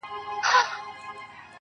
د ژوند تر ټولو سخت حال همدا وي